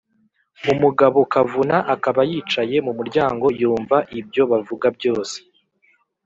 umugabokavuna akaba yicaye mu muryango yumva ibyo bavuga byose.